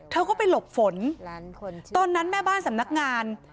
เธอก็ไปหลบฝนตอนนั้นแม่บ้านสำนักงาน